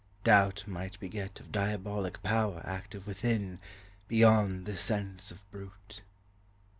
Doubt might beget of diabolic power Active within, beyond the sense of brute.